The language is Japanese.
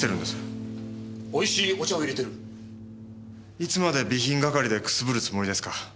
いつまで備品係でくすぶるつもりですか？